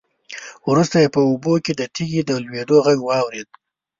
وروسته يې په اوبو کې د تېږې د لوېدو غږ واورېد.